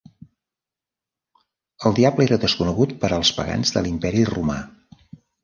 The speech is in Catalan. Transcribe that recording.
El diable era desconegut per als pagans de l'Imperi Romà.